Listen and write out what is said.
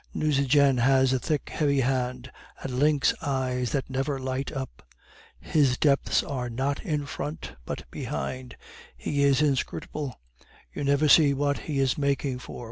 Nucingen has a thick, heavy hand, and lynx eyes that never light up; his depths are not in front, but behind; he is inscrutable, you never see what he is making for.